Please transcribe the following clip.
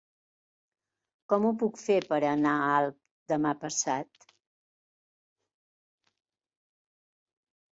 Com ho puc fer per anar a Alp demà passat?